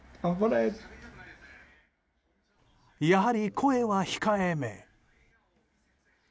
やはり、声は控えめ。